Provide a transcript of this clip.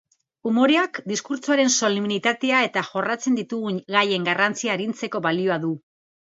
Umoreak diskurtsoaren solemnitatea eta jorratzen ditugun gaien garrantzia arintzeko balio du.